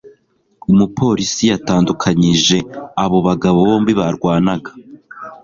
umupolisi yatandukanije abo bagabo bombi barwanaga